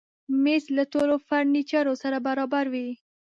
مېز له ټولو فرنیچرو سره برابر وي.